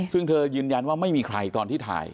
ซึ่งเธอยืนยันว่าไม่มีใครตอนที่ถ่าย